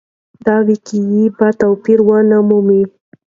دا وییکې به توپیر ونه مومي.